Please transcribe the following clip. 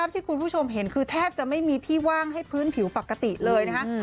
ที่คุณผู้ชมเห็นคือแทบจะไม่มีที่ว่างให้พื้นผิวปกติเลยนะคะ